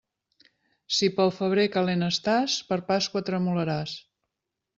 Si pel febrer calent estàs, per Pasqua tremolaràs.